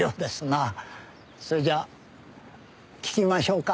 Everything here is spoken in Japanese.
それじゃあ聞きましょうか。